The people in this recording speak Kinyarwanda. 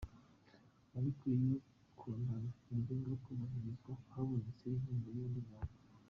Ariko iyo kontaro yajyaga kubahirizwa habonetse inkunga y'"undi muntu".